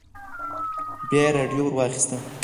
بيا يې راډيو ور واخيسته.